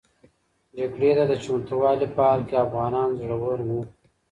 جګړې ته د چمتووالي په حال کې افغانان زړور و.